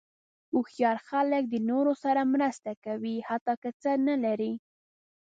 هوښیار خلک د نورو سره مرسته کوي، حتی که څه نه لري.